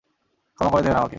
ক্ষমা করে দেবেন আমাকে!